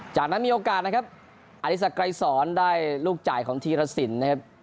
จากนั้นมีโอกาสนะครับอธิสักไกรสอนได้ลูกจ่ายของธีรสินนะครับ